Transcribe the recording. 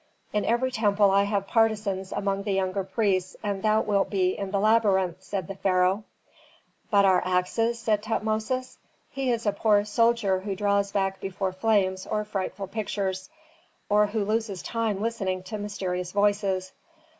"In every temple I have partisans among the younger priests, and thou wilt be in the labyrinth " said the pharaoh. "But our axes?" said Tutmosis. "He is a poor soldier who draws back before flames or frightful pictures, or who loses time listening to mysterious voices."